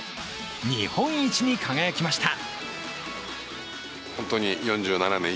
日本一に輝きました。